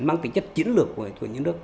mang tính chất chiến lược của những nước